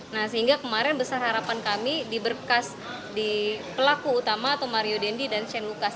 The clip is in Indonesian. nah sehingga kemarin besar harapan kami di berkas di pelaku utama atau mario dendi dan shane lucas